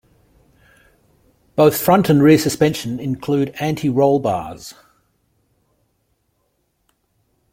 Both front and rear suspension include anti-roll bars.